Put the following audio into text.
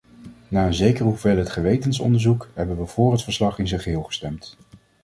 Na een zekere hoeveelheid gewetensonderzoek, hebben we voor het verslag in zijn geheel gestemd.